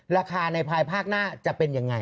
ราคาในภายภาคหน้าจะเป็นยังไง